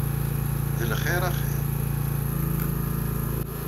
D lxir axir.